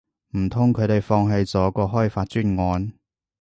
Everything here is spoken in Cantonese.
唔通佢哋放棄咗個開發專案